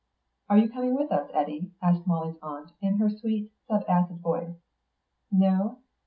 "Are you coming with us, Eddy?" asked Molly's aunt, in her sweet, sub acid voice. "No?